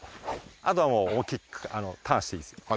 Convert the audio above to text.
あとはもう思いっきりターンしていいです。